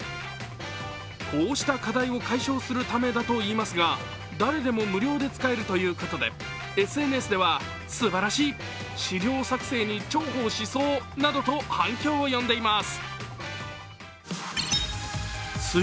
こうした課題を解消するためだといいますが、誰でも無料で使えるということで、ＳＮＳではすばらしい、資料作成に重宝しそうなどと反響を呼んでいます。